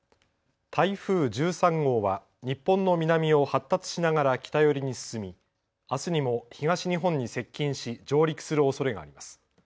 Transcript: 台風１３号は日本の南を発達しながら北寄りに進みあすにも東日本に接近し上陸するおそれがあります。